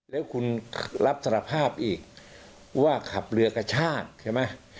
แล้วคุณรับสารภาพอีกว่าขับเรือกระชากใช่ไหม